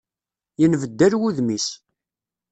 Yenbeddal wudem-is.